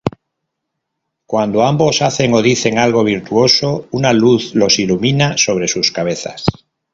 Cuando ambos hacen o dicen algo virtuoso una luz los ilumina sobre sus cabezas.